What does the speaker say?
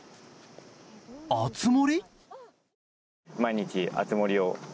熱盛？